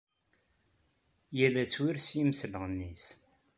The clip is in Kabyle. Yal aswir s yimsilɣen-is.